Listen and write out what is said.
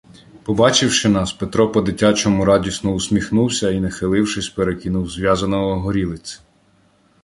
Побачивши нас, Петро по-дитячому радісно усміхнувся і, нахилившись, перекинув зв'язаного горілиць.